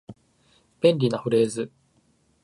便利なフレーズ